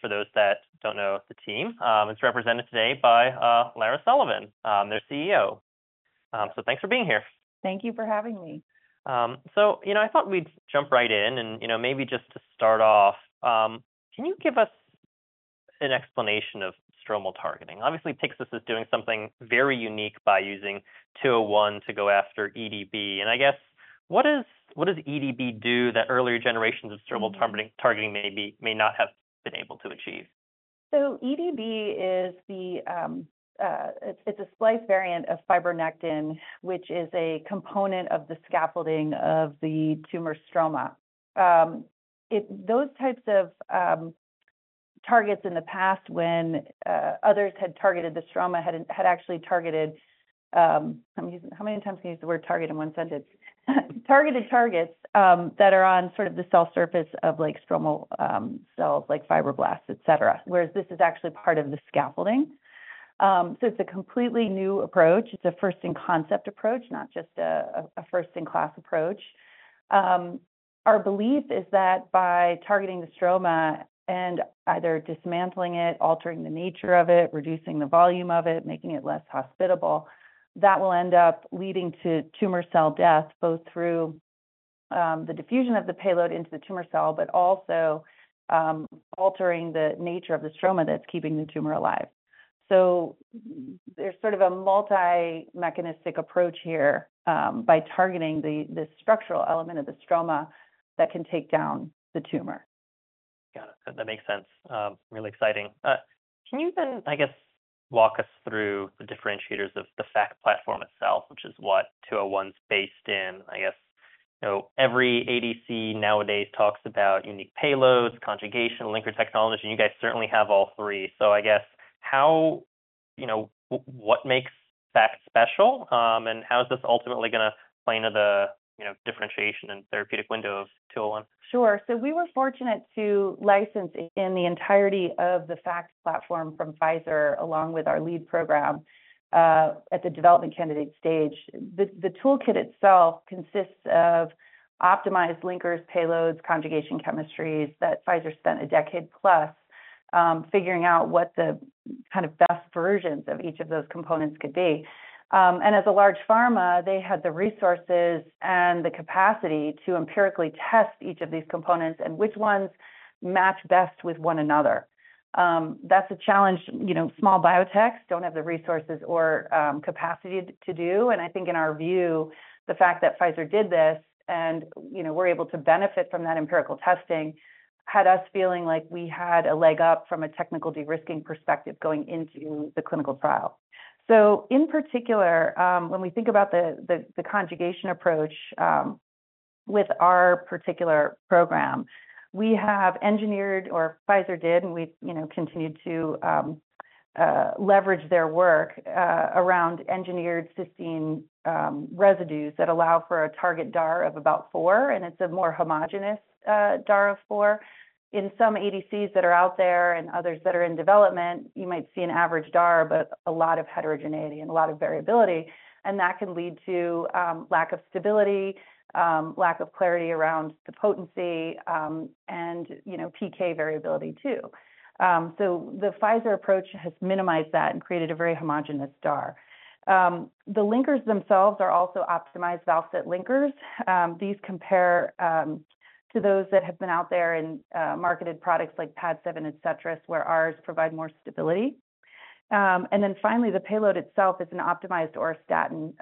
For those that don't know the team, it's represented today by Lara Sullivan, their CEO. Thanks for being here. Thank you for having me. I thought we'd jump right in. Maybe just to start off, can you give us an explanation of stromal targeting? Obviously, Pyxis is doing something very unique by using 201 to go after EDB. I guess, what does EDB do that earlier generations of stromal targeting maybe may not have been able to achieve? So EDB is a splice variant of fibronectin, which is a component of the scaffolding of the tumor stroma. Those types of targets in the past, when others had targeted the stroma, had actually targeted (how many times can you use the word target in one sentence?) targeted targets that are on sort of the cell surface of stromal cells, like fibroblasts, etc., whereas this is actually part of the scaffolding. So it's a completely new approach. It's a first-in-concept approach, not just a first-in-class approach. Our belief is that by targeting the stroma and either dismantling it, altering the nature of it, reducing the volume of it, making it less hospitable, that will end up leading to tumor cell death, both through the diffusion of the payload into the tumor cell, but also altering the nature of the stroma that's keeping the tumor alive. There's sort of a multi-mechanistic approach here by targeting the structural element of the stroma that can take down the tumor. Got it. That makes sense. Really exciting. Can you then, I guess, walk us through the differentiators of the FACT platform itself, which is what 201 is based in? I guess every ADC nowadays talks about unique payloads, conjugation, linker technology, and you guys certainly have all three. So I guess, what makes FACT special, and how is this ultimately going to play into the differentiation and therapeutic window of 201? Sure. So we were fortunate to license in the entirety of the FACT platform from Pfizer, along with our lead program at the development candidate stage. The toolkit itself consists of optimized linkers, payloads, conjugation chemistries that Pfizer spent a decade plus figuring out what the kind of best versions of each of those components could be. And as a large pharma, they had the resources and the capacity to empirically test each of these components and which ones match best with one another. That's a challenge small biotechs don't have the resources or capacity to do. And I think in our view, the fact that Pfizer did this and we're able to benefit from that empirical testing had us feeling like we had a leg up from a technical de-risking perspective going into the clinical trial. So in particular, when we think about the conjugation approach with our particular program, we have engineered or Pfizer did, and we've continued to leverage their work around engineered cysteine residues that allow for a target DAR of about 4. And it's a more homogeneous DAR of 4. In some ADCs that are out there and others that are in development, you might see an average DAR, but a lot of heterogeneity and a lot of variability. And that can lead to lack of stability, lack of clarity around the potency, and PK variability too. So the Pfizer approach has minimized that and created a very homogeneous DAR. The linkers themselves are also optimized Val-Cit linkers. These compare to those that have been out there and marketed products like Padcev, etc., where ours provide more stability. And then finally, the payload itself is an optimized auristatin.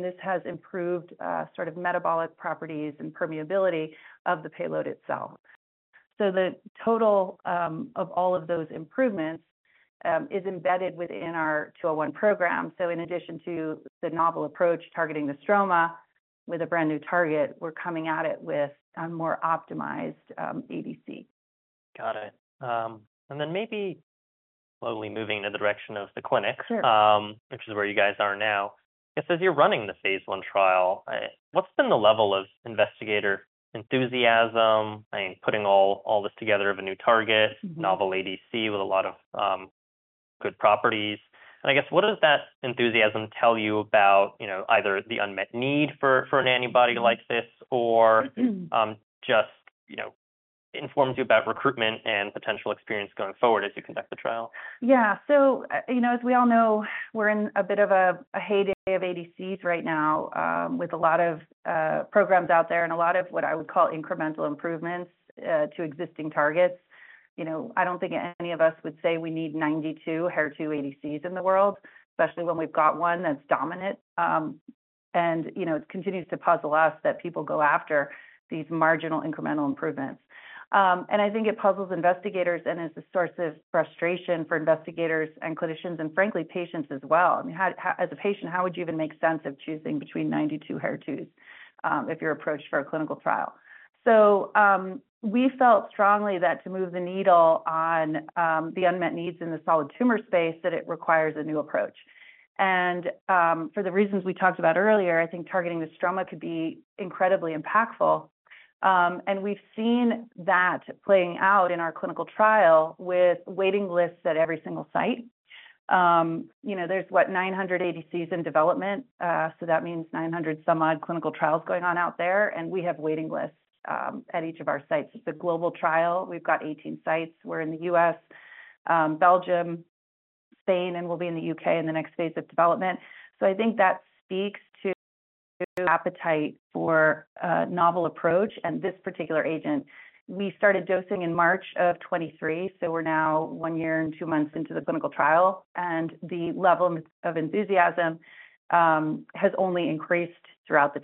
This has improved sort of metabolic properties and permeability of the payload itself. So the total of all of those improvements is embedded within our 201 program. So in addition to the novel approach targeting the stroma with a brand new target, we're coming at it with a more optimized ADC. Got it. And then maybe slowly moving in the direction of the clinic, which is where you guys are now. I guess as you're running the phase 1 trial, what's been the level of investigator enthusiasm in putting all this together of a new target, novel ADC with a lot of good properties? And I guess, what does that enthusiasm tell you about either the unmet need for an antibody like this or just informs you about recruitment and potential experience going forward as you conduct the trial? Yeah. So as we all know, we're in a bit of a heyday of ADCs right now with a lot of programs out there and a lot of what I would call incremental improvements to existing targets. I don't think any of us would say we need 92 HER2 ADCs in the world, especially when we've got one that's dominant. And it continues to puzzle us that people go after these marginal incremental improvements. And I think it puzzles investigators and is a source of frustration for investigators and clinicians and frankly, patients as well. As a patient, how would you even make sense of choosing between 92 HER2s if you're approached for a clinical trial? So we felt strongly that to move the needle on the unmet needs in the solid tumor space, that it requires a new approach. And for the reasons we talked about earlier, I think targeting the stroma could be incredibly impactful. And we've seen that playing out in our clinical trial with waiting lists at every single site. There's, what, 900 ADCs in development? So that means 900 some-odd clinical trials going on out there. And we have waiting lists at each of our sites. It's a global trial. We've got 18 sites. We're in the U.S., Belgium, Spain, and we'll be in the U.K. in the next phase of development. So I think that speaks to appetite for a novel approach and this particular agent. We started dosing in March of 2023. So we're now one year and two months into the clinical trial. And the level of enthusiasm has only increased throughout the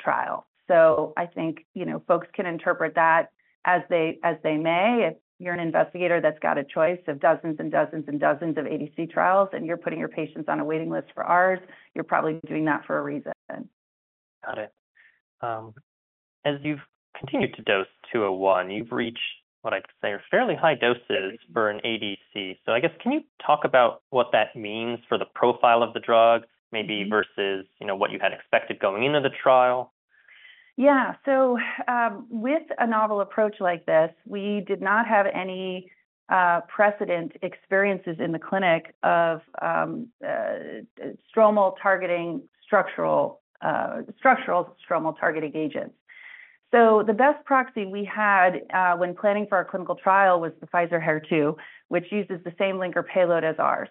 trial. So I think folks can interpret that as they may. If you're an investigator that's got a choice of dozens and dozens and dozens of ADC trials and you're putting your patients on a waiting list for ours, you're probably doing that for a reason. Got it. As you've continued to dose 201, you've reached what I'd say are fairly high doses for an ADC. So I guess, can you talk about what that means for the profile of the drug, maybe versus what you had expected going into the trial? Yeah. So with a novel approach like this, we did not have any precedent experiences in the clinic of stromal targeting structural stromal targeting agents. So the best proxy we had when planning for our clinical trial was the Pfizer HER2, which uses the same linker payload as ours.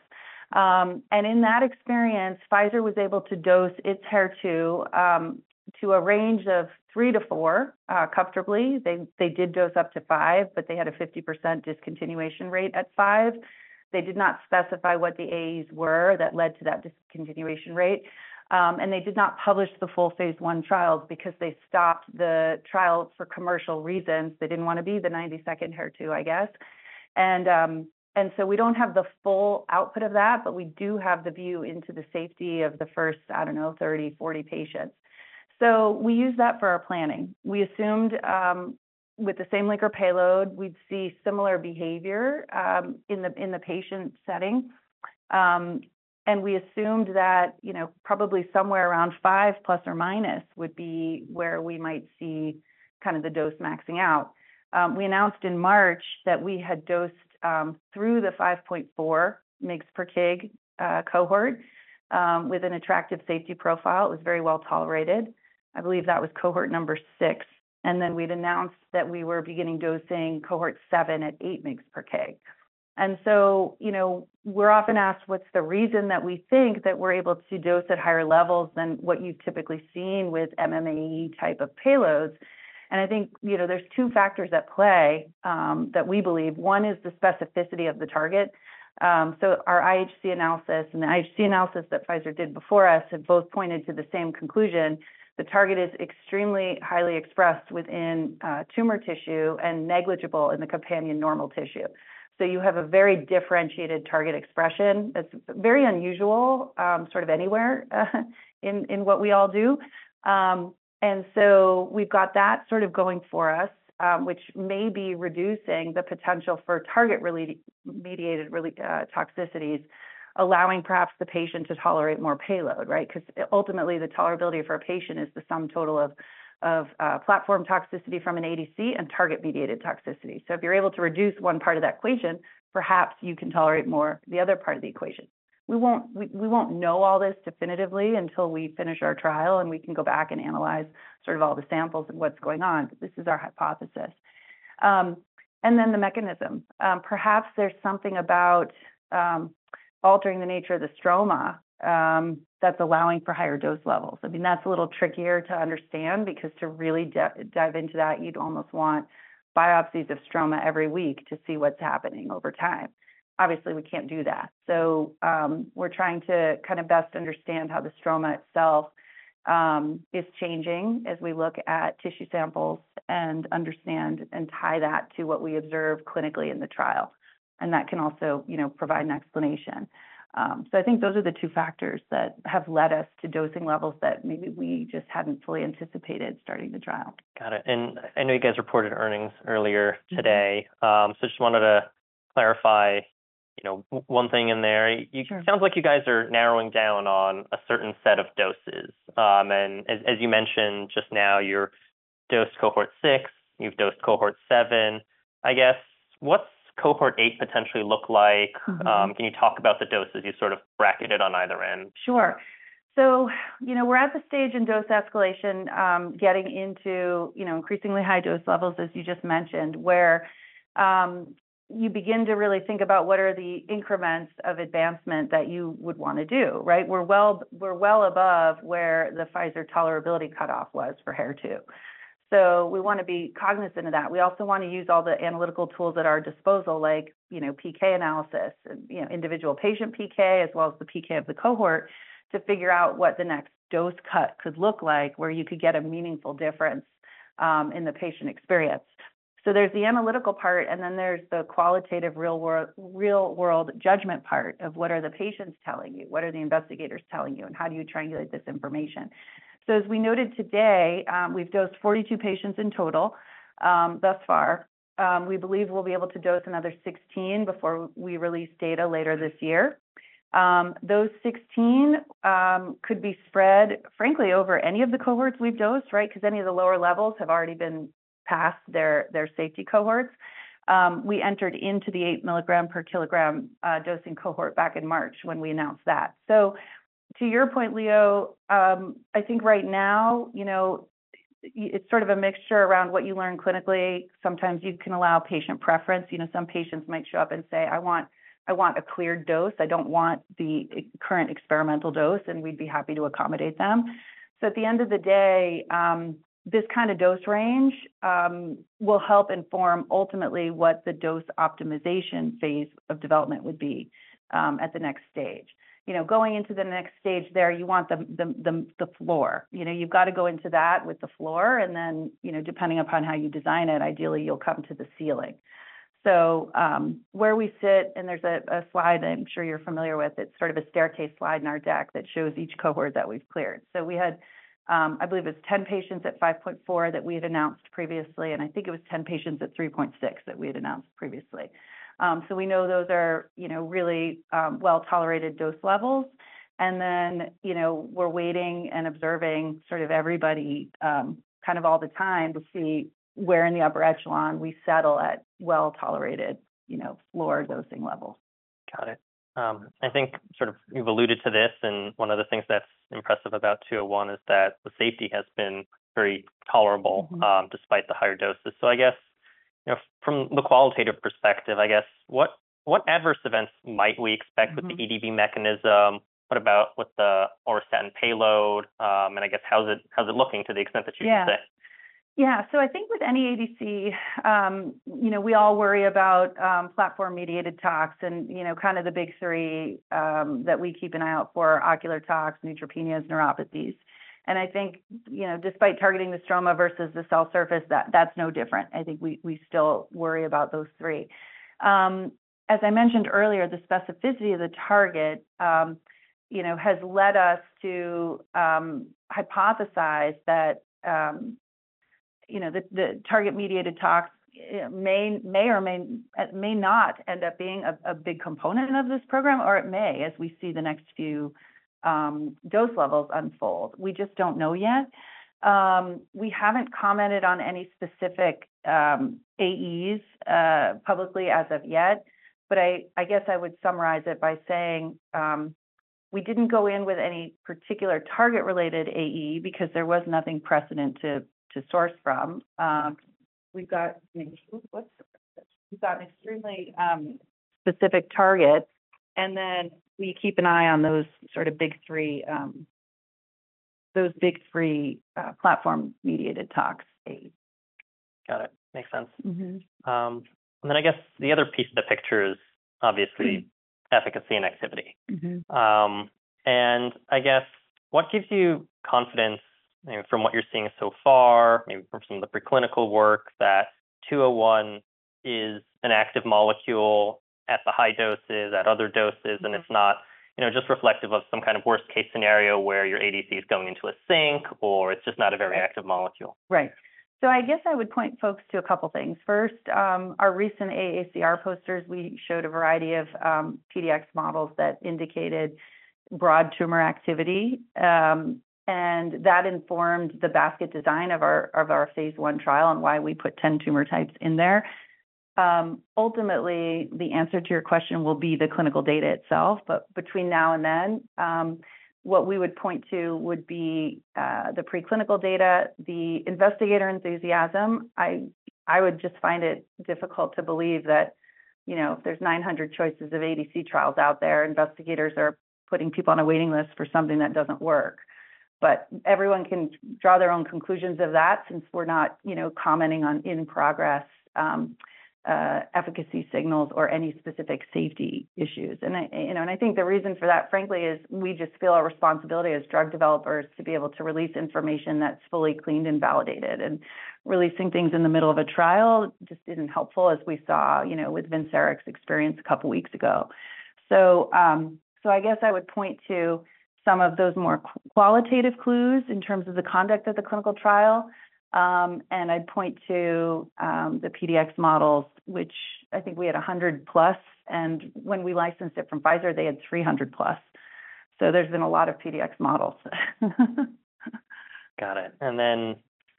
And in that experience, Pfizer was able to dose its HER2 to a range of 3-4 comfortably. They did dose up to 5, but they had a 50% discontinuation rate at 5. They did not specify what the AEs were that led to that discontinuation rate. And they did not publish the full phase 1 trials because they stopped the trial for commercial reasons. They didn't want to be the 92nd HER2, I guess. And so we don't have the full output of that, but we do have the view into the safety of the first, I don't know, 30, 40 patients. We use that for our planning. We assumed with the same linker payload, we'd see similar behavior in the patient setting. We assumed that probably somewhere around 5 ± would be where we might see kind of the dose maxing out. We announced in March that we had dosed through the 5.4 mg/kg cohort with an attractive safety profile. It was very well tolerated. I believe that was cohort number 6. Then we'd announced that we were beginning dosing cohort 7 at 8 mg/kg. So we're often asked, what's the reason that we think that we're able to dose at higher levels than what you've typically seen with MMAE type of payloads? I think there's two factors at play that we believe. One is the specificity of the target. So our IHC analysis and the IHC analysis that Pfizer did before us had both pointed to the same conclusion. The target is extremely highly expressed within tumor tissue and negligible in the companion normal tissue. So you have a very differentiated target expression. That's very unusual sort of anywhere in what we all do. And so we've got that sort of going for us, which may be reducing the potential for target-mediated toxicities, allowing perhaps the patient to tolerate more payload, right? Because ultimately, the tolerability for a patient is the sum total of platform toxicity from an ADC and target-mediated toxicity. So if you're able to reduce one part of that equation, perhaps you can tolerate more the other part of the equation. We won't know all this definitively until we finish our trial and we can go back and analyze sort of all the samples and what's going on. But this is our hypothesis. And then the mechanism. Perhaps there's something about altering the nature of the stroma that's allowing for higher dose levels. I mean, that's a little trickier to understand because to really dive into that, you'd almost want biopsies of stroma every week to see what's happening over time. Obviously, we can't do that. So we're trying to kind of best understand how the stroma itself is changing as we look at tissue samples and understand and tie that to what we observe clinically in the trial. And that can also provide an explanation. So I think those are the two factors that have led us to dosing levels that maybe we just hadn't fully anticipated starting the trial. Got it. I know you guys reported earnings earlier today. I just wanted to clarify one thing in there. It sounds like you guys are narrowing down on a certain set of doses. And as you mentioned just now, you're dosed cohort 6. You've dosed cohort 7. I guess, what's cohort 8 potentially look like? Can you talk about the doses? You sort of bracketed on either end. Sure. So we're at the stage in dose escalation getting into increasingly high dose levels, as you just mentioned, where you begin to really think about what are the increments of advancement that you would want to do, right? We're well above where the Pfizer tolerability cutoff was for HER2. So we want to be cognizant of that. We also want to use all the analytical tools at our disposal, like PK analysis, individual patient PK, as well as the PK of the cohort, to figure out what the next dose cut could look like where you could get a meaningful difference in the patient experience. So there's the analytical part, and then there's the qualitative real-world judgment part of what are the patients telling you, what are the investigators telling you, and how do you triangulate this information? So as we noted today, we've dosed 42 patients in total thus far. We believe we'll be able to dose another 16 before we release data later this year. Those 16 could be spread, frankly, over any of the cohorts we've dosed, right? Because any of the lower levels have already passed their safety cohorts. We entered into the 8 mg/kg dosing cohort back in March when we announced that. So to your point, Leo, I think right now, it's sort of a mixture around what you learn clinically. Sometimes you can allow patient preference. Some patients might show up and say, "I want a clear dose. I don't want the current experimental dose, and we'd be happy to accommodate them." So at the end of the day, this kind of dose range will help inform ultimately what the dose optimization phase of development would be at the next stage. Going into the next stage there, you want the floor. You've got to go into that with the floor, and then depending upon how you design it, ideally, you'll come to the ceiling. So where we sit and there's a slide that I'm sure you're familiar with. It's sort of a staircase slide in our deck that shows each cohort that we've cleared. So we had, I believe it was 10 patients at 5.4 that we had announced previously. And I think it was 10 patients at 3.6 that we had announced previously. So we know those are really well-tolerated dose levels. And then we're waiting and observing sort of everybody kind of all the time to see where in the upper echelon we settle at well-tolerated floor dosing levels. Got it. I think sort of you've alluded to this. And one of the things that's impressive about 201 is that the safety has been very tolerable despite the higher doses. So I guess from the qualitative perspective, I guess, what adverse events might we expect with the EDB mechanism? What about with the auristatin payload? And I guess, how's it looking to the extent that you can say? Yeah. So I think with any ADC, we all worry about platform-mediated tox and kind of the big three that we keep an eye out for: ocular tox, neutropenias, neuropathies. And I think despite targeting the stroma versus the cell surface, that's no different. I think we still worry about those three. As I mentioned earlier, the specificity of the target has led us to hypothesize that the target-mediated tox may or may not end up being a big component of this program, or it may as we see the next few dose levels unfold. We just don't know yet. We haven't commented on any specific AEs publicly as of yet. But I guess I would summarize it by saying we didn't go in with any particular target-related AE because there was nothing precedent to source from. We've got an extremely specific target, and then we keep an eye on those sort of big three platform-mediated tox AEs. Got it. Makes sense. Then I guess the other piece of the picture is obviously efficacy and activity. And I guess, what gives you confidence from what you're seeing so far, maybe from some of the preclinical work, that 201 is an active molecule at the high doses, at other doses, and it's not just reflective of some kind of worst-case scenario where your ADC is going into a sink, or it's just not a very active molecule? Right. So I guess I would point folks to a couple of things. First, our recent AACR posters, we showed a variety of PDX models that indicated broad tumor activity. And that informed the basket design of our phase 1 trial and why we put 10 tumor types in there. Ultimately, the answer to your question will be the clinical data itself. But between now and then, what we would point to would be the preclinical data, the investigator enthusiasm. I would just find it difficult to believe that if there's 900 choices of ADC trials out there, investigators are putting people on a waiting list for something that doesn't work. But everyone can draw their own conclusions of that since we're not commenting on in-progress efficacy signals or any specific safety issues. I think the reason for that, frankly, is we just feel our responsibility as drug developers to be able to release information that's fully cleaned and validated. Releasing things in the middle of a trial just isn't helpful, as we saw with Vincera's experience a couple of weeks ago. So I guess I would point to some of those more qualitative clues in terms of the conduct of the clinical trial. I'd point to the PDX models, which I think we had 100+. And when we licensed it from Pfizer, they had 300+. So there's been a lot of PDX models. Got it. And then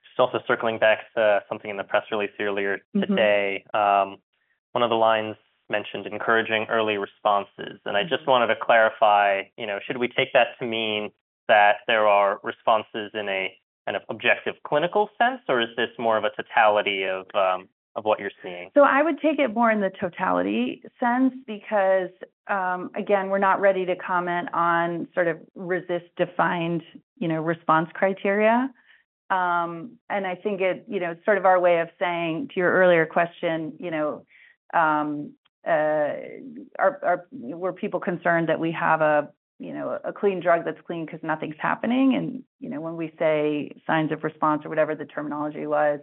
just also circling back to something in the press release earlier today, one of the lines mentioned encouraging early responses. And I just wanted to clarify, should we take that to mean that there are responses in a kind of objective clinical sense, or is this more of a totality of what you're seeing? So I would take it more in the totality sense because, again, we're not ready to comment on sort of RECIST-defined response criteria. And I think it's sort of our way of saying to your earlier question, were people concerned that we have a clean drug that's clean because nothing's happening? And when we say signs of response or whatever the terminology was,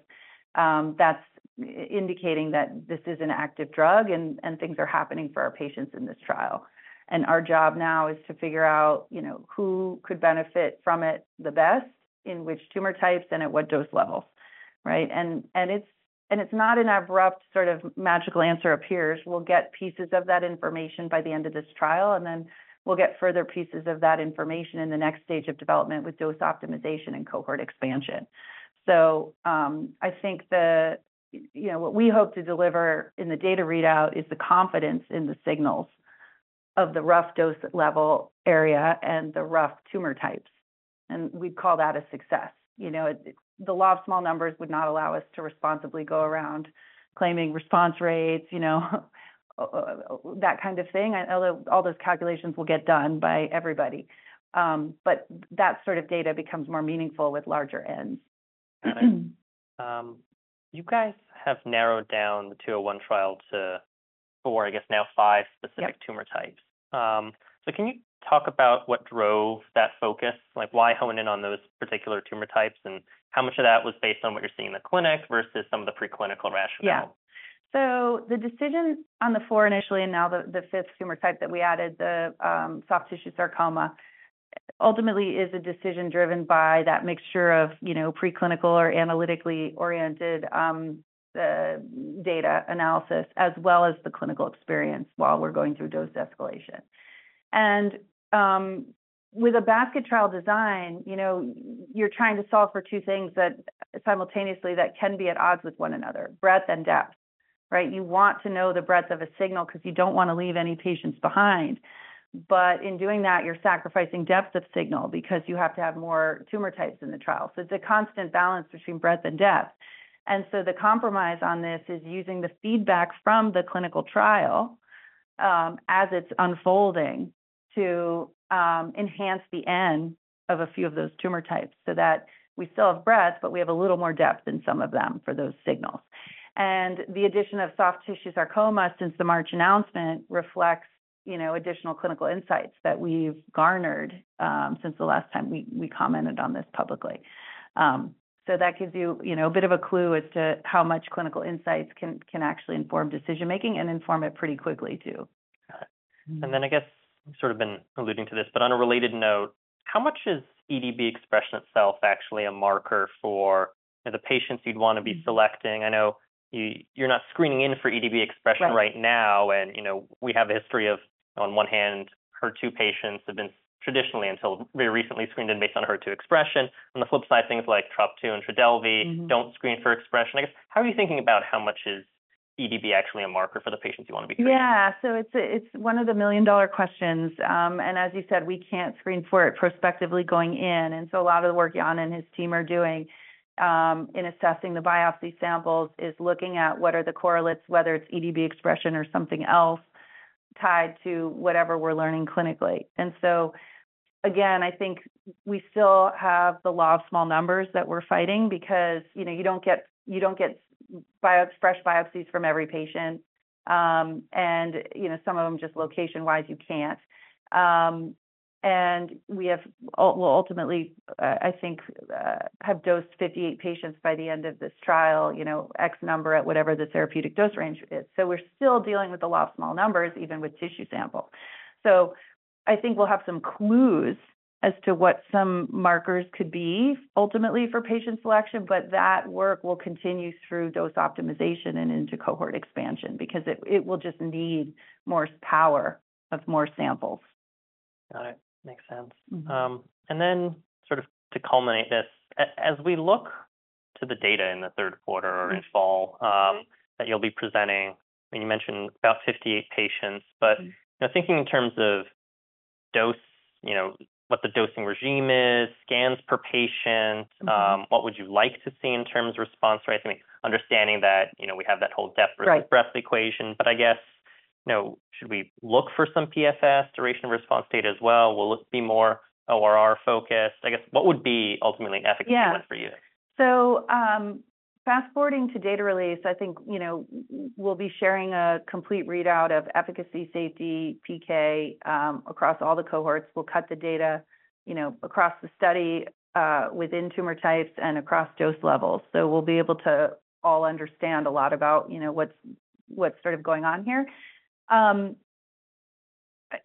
that's indicating that this is an active drug and things are happening for our patients in this trial. And our job now is to figure out who could benefit from it the best, in which tumor types, and at what dose levels, right? And it's not an abrupt sort of magical answer appears. We'll get pieces of that information by the end of this trial, and then we'll get further pieces of that information in the next stage of development with dose optimization and cohort expansion. So I think what we hope to deliver in the data readout is the confidence in the signals of the rough dose level area and the rough tumor types. We'd call that a success. The law of small numbers would not allow us to responsibly go around claiming response rates, that kind of thing, although all those calculations will get done by everybody. That sort of data becomes more meaningful with larger ends. Got it. You guys have narrowed down the 201 trial to 4, I guess now 5 specific tumor types. So can you talk about what drove that focus, like why hone in on those particular tumor types, and how much of that was based on what you're seeing in the clinic versus some of the preclinical rationale? Yeah. So the decision on the four initially and now the fifth tumor type that we added, the soft tissue sarcoma, ultimately is a decision driven by that mixture of preclinical or analytically oriented data analysis as well as the clinical experience while we're going through dose escalation. With a basket trial design, you're trying to solve for two things simultaneously that can be at odds with one another: breadth and depth, right? You want to know the breadth of a signal because you don't want to leave any patients behind. But in doing that, you're sacrificing depth of signal because you have to have more tumor types in the trial. It's a constant balance between breadth and depth. The compromise on this is using the feedback from the clinical trial as it's unfolding to enhance the enrollment of a few of those tumor types so that we still have breadth, but we have a little more depth in some of them for those signals. The addition of soft tissue sarcoma since the March announcement reflects additional clinical insights that we've garnered since the last time we commented on this publicly. That gives you a bit of a clue as to how much clinical insights can actually inform decision-making and inform it pretty quickly too. Got it. And then I guess we've sort of been alluding to this, but on a related note, how much is EDB expression itself actually a marker for the patients you'd want to be selecting? I know you're not screening in for EDB expression right now, and we have a history of, on one hand, HER2 patients have been traditionally until very recently screened in based on HER2 expression. On the flip side, things like TROP2 and Trodelvy don't screen for expression. I guess, how are you thinking about how much is EDB actually a marker for the patients you want to be screening? Yeah. So it's one of the million-dollar questions. And as you said, we can't screen for it prospectively going in. And so a lot of the work Jan and his team are doing in assessing the biopsy samples is looking at what are the correlates, whether it's EDB expression or something else, tied to whatever we're learning clinically. And so again, I think we still have the law of small numbers that we're fighting because you don't get fresh biopsies from every patient. And some of them just location-wise, you can't. And we will ultimately, I think, have dosed 58 patients by the end of this trial, X number at whatever the therapeutic dose range is. So we're still dealing with the law of small numbers, even with tissue samples. I think we'll have some clues as to what some markers could be ultimately for patient selection, but that work will continue through dose optimization and into cohort expansion because it will just need more power of more samples. Got it. Makes sense. And then sort of to culminate this, as we look to the data in the third quarter or in fall that you'll be presenting, I mean, you mentioned about 58 patients, but thinking in terms of dose, what the dosing regimen is, scans per patient, what would you like to see in terms of response, right? I mean, understanding that we have that whole depth versus breadth equation, but I guess, should we look for some PFS, duration of response data as well? Will it be more ORR-focused? I guess, what would be ultimately an efficacy one for you? Yeah. So fast-forwarding to data release, I think we'll be sharing a complete readout of efficacy, safety, PK across all the cohorts. We'll cut the data across the study within tumor types and across dose levels. So we'll be able to all understand a lot about what's sort of going on here.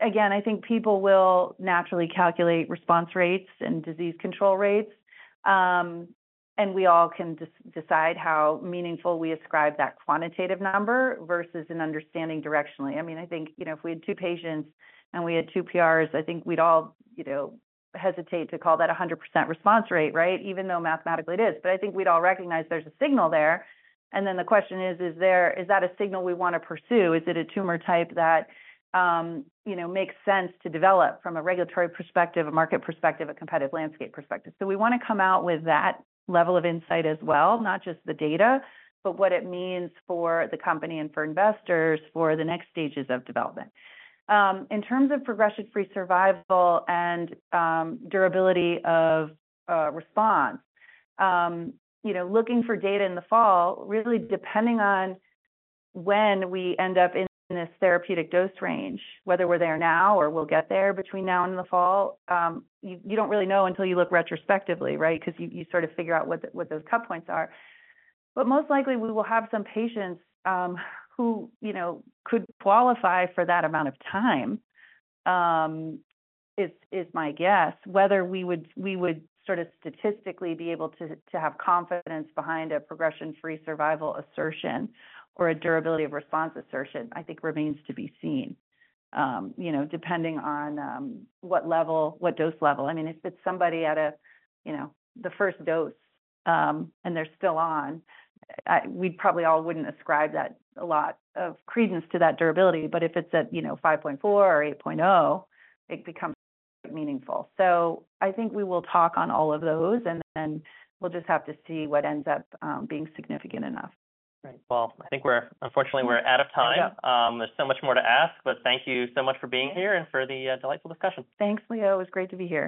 Again, I think people will naturally calculate response rates and disease control rates. And we all can decide how meaningful we ascribe that quantitative number versus an understanding directionally. I mean, I think if we had two patients and we had two PRs, I think we'd all hesitate to call that 100% response rate, right, even though mathematically it is. But I think we'd all recognize there's a signal there. And then the question is, is that a signal we want to pursue? Is it a tumor type that makes sense to develop from a regulatory perspective, a market perspective, a competitive landscape perspective? So we want to come out with that level of insight as well, not just the data, but what it means for the company and for investors for the next stages of development. In terms of progression-free survival and durability of response, looking for data in the fall, really depending on when we end up in this therapeutic dose range, whether we're there now or we'll get there between now and the fall, you don't really know until you look retrospectively, right, because you sort of figure out what those cut points are. But most likely, we will have some patients who could qualify for that amount of time is my guess, whether we would sort of statistically be able to have confidence behind a progression-free survival assertion or a durability of response assertion, I think, remains to be seen, depending on what level, what dose level. I mean, if it's somebody at the first dose and they're still on, we probably all wouldn't ascribe that a lot of credence to that durability. But if it's at 5.4 or 8.0, it becomes meaningful. So I think we will talk on all of those, and then we'll just have to see what ends up being significant enough. Right. Well, I think unfortunately, we're out of time. There's so much more to ask, but thank you so much for being here and for the delightful discussion. Thanks, Leo. It was great to be here.